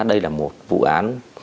đây là một vụ án